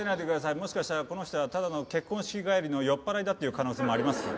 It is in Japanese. もしかしたらこの人はただの結婚式帰りの酔っ払いだっていう可能性もありますから。